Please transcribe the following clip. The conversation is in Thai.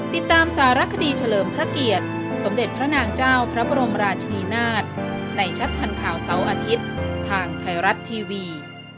ติดตามสารคดีเฉลิมพระเกียรติสมเด็จพระนางเจ้าพระบรมราชนีนาฏในชัดทันข่าวเสาร์อาทิตย์ทางไทยรัฐทีวี